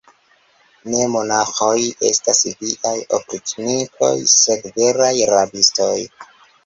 Ne monaĥoj estas viaj opriĉnikoj, sed veraj rabistoj.